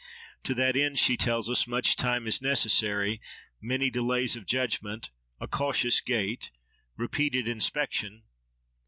'To that end,' she tells us, 'much time is necessary, many delays of judgment, a cautious gait; repeated inspection.